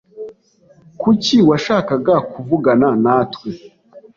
Kuki washakaga kuvugana natwe?